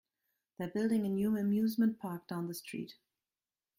They're building a new amusement park down the street.